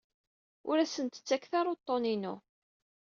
Ur asent-ttaket ara uḍḍun-inu.